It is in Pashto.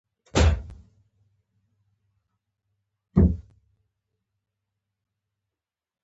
کاکړ د صداقت، وفادارۍ او عزت خلک دي.